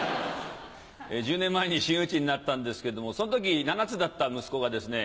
１０年前に真打ちになったんですけどもその時７つだった息子がですね